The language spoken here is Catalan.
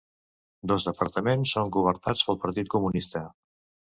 Dos departaments són governats pel Partit Comunista.